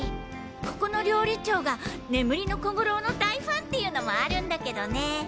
ここの料理長が眠りの小五郎の大ファンっていうのもあるんだけどね。